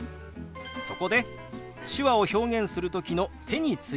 そこで手話を表現する時の手についてです。